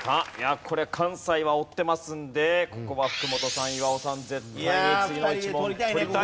これ関西は追ってますのでここは福本さん岩尾さん絶対に次の１問取りたい！